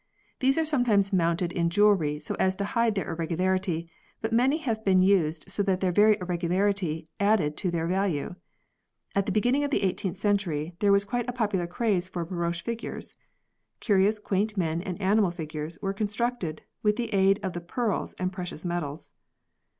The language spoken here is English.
These are sometimes mounted in jewellery so as to hide their irregularity, but many have been used so that their very irregularity added to their value. At the beginning of the 18th century there was quite a popular craze for baroche figures. Curious, quaint men and animal figures were con structed with the aid of the pearls and precious metals.